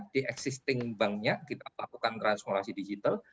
di existing banknya kita lakukan transformasi digital